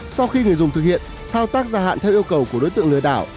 sau khi người dùng thực hiện thao tác gia hạn theo yêu cầu của đối tượng lừa đảo